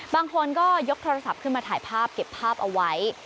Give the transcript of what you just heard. บางคนก็ยกโทรศัพท์ขึ้นมาถ่ายภาพเก็บภาพเอาไว้